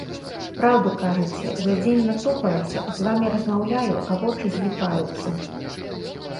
Праўду кажаце, за дзень натупалася, з вамі размаўляю, а вочы зліпаюцца.